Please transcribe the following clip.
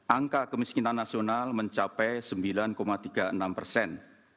angka kemiskinan nasional mencapai sembilan tiga puluh enam persen